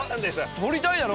撮りたいだろ